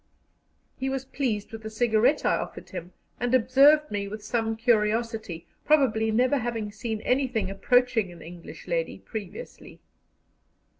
He was pleased with the cigarette I offered him, and observed me with some curiosity, probably never having seen anything approaching an English lady previously.